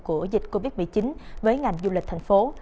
của dịch covid một mươi chín với ngành du lịch thành phố